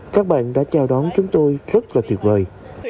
các bạn đã chào đón chúng tôi rất là tuyệt vời